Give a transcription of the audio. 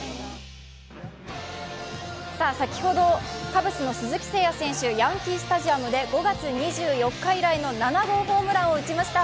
先ほどカブスの鈴木誠也選手、ヤンキー・スタジアムで５月２４日以来の７号ホームランを打ちました。